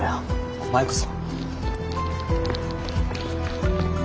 お前こそ。